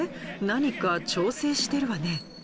何か調整してるわね。